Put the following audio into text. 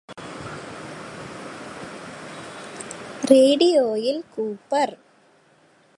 റേഡിയോയിൽ കൂപര്